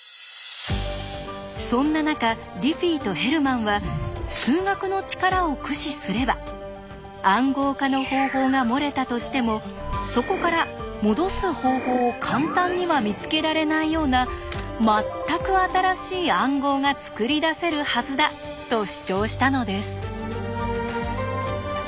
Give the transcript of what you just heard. そんな中ディフィーとヘルマンは数学の力を駆使すれば「暗号化の方法」が漏れたとしてもそこから「もどす方法」を簡単には見つけられないような全く新しい暗号が作り出せるはずだ！と主張したのです。